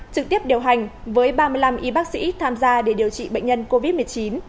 trực tiếp điều hành với ba mươi năm y bác sĩ tham gia để điều trị bệnh nhân covid một mươi chín